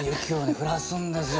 降らすんですよ。